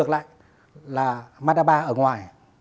lại là mandapa ở ngoài